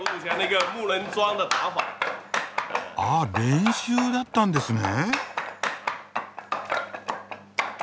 あ練習だったんですね。